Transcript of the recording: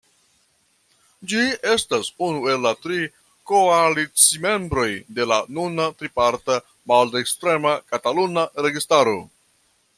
Ĝi estas unu el la tri koalicimembroj de la nuna triparta maldekstrema kataluna registaro.